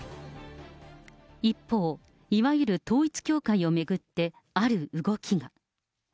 一方、いわゆる統一教会を巡って、ある動きが。